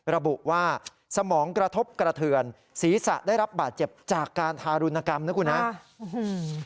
ระบุว่าสมองกระทบกระเทือนศีรษะได้รับบาดเจ็บจากการทารุณกรรมนะครับ